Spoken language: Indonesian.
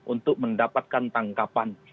untuk mendapatkan tangkapan